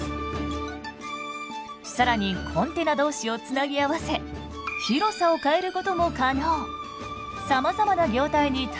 更にコンテナ同士をつなぎ合わせ広さを変えることも可能。